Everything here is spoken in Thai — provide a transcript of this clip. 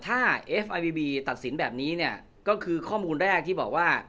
ถ้าเอฟอาบีบีตัดสินแบบนี้เนี่ยก็คือข้อมูลแรกที่บอกว่า